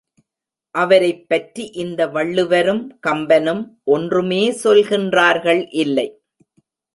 அவரைப் பற்றி இந்த வள்ளுவரும் கம்பனும் ஒன்றுமே சொல்கின்றார்கள் இல்லை.